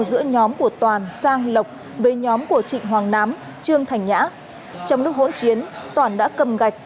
giữa nhóm của toàn sang lộc với nhóm của trịnh hoàng nám trương thành nhã trong lúc hỗn chiến toàn đã cầm gạch